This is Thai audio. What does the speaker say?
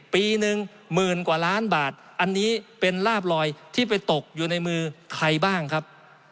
ปีหนึ่งหมื่นกว่าล้านบาทอันนี้เป็นลาบลอยที่ไปตกอยู่ในมือใครบ้างครับ